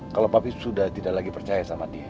kalau papi sudah tidak lagi percaya sama dia